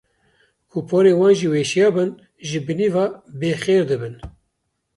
Ku porên wan jî weşiya bin ji binî ve bêxêr dibin.